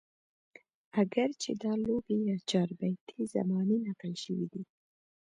اګر چې دا لوبې يا چاربيتې زباني نقل شوي دي